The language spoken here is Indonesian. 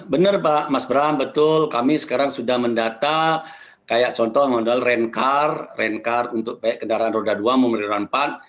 benar pak mas bram betul kami sekarang sudah mendata kayak contoh yang namun adalah rencar rencar untuk kendaraan roda dua mobil roda empat